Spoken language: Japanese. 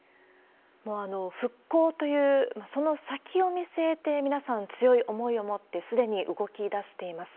復興というその先を見据えて、皆さん、強い思いを持って、すでに動きだしています。